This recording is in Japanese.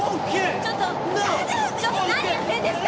ちょっと何やってるんですか！